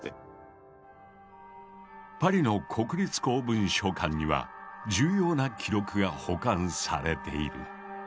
パリの国立公文書館には重要な記録が保管されている。